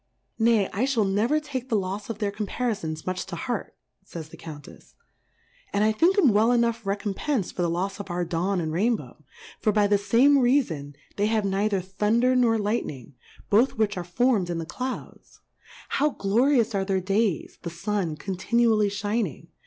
Nay, I fliall never take the lofs of their Comparifons much to Heart, fays the Cotmttfs ; and Ithink'cmwell enough recompenc'd for the Lofs of our Dawn, and Rainbow ; for by the fame Reafon, they have neither Thunder nor Light ning, both which are formM in the Clouds ; how glorious are their Days, the Sun continually fliining?